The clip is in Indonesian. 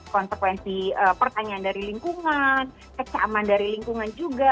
konsekuensi pertanyaan dari lingkungan kecaman dari lingkungan juga